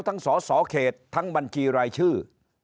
ทั้งสอสอเขตทั้งบัญชีรายชื่อ